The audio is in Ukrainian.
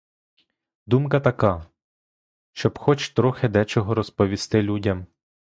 Думка така, щоб хоч трохи дечого розповісти людям.